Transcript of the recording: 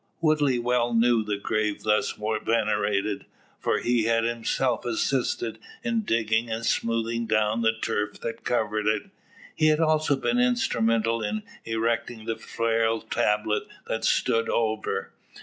Woodley well knew the grave thus venerated. For he had himself assisted in digging and smoothing down the turf that covered it. He had also been instrumental in erecting the frail tablet that stood over.